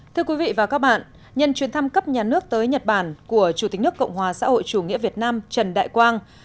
thưa quý vị và các bạn nhân chuyến thăm cấp nhà nước tới nhật bản của chủ tịch nước cộng hòa xã hội chủ nghĩa việt nam trần đại quang